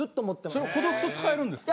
それほどくと使えるんですか？